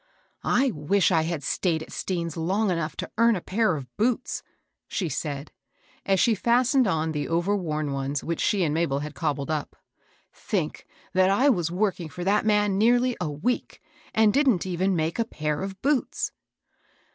f" I wish I had stayed at Stean's long enongh to earn a pair of boots," she said, as she fastened on the over worn ones which she and Mabel had cobbled up. "Think that I was working for that man nearly a week, and didn't even make a pair of boots